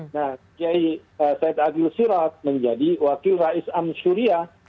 nah kiai said agil sirat menjadi wakil rais amsyuria